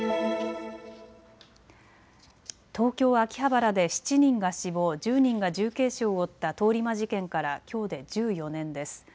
東京秋葉原で７人が死亡、１０人が重軽傷をを負った通り魔事件からきょうで１４年です。